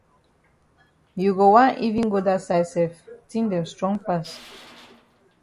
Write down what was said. You go wan even go dat side sef tin dem strong pass.